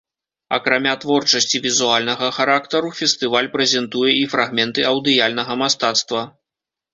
Акрамя творчасці візуальнага характару, фестываль прэзентуе і фрагменты аўдыяльнага мастацтва.